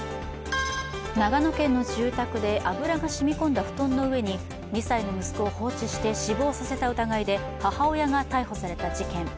長野県の住宅で油がしみこんだ布団の上に２歳の息子を放置して死亡させた疑いで母親が逮捕された事件。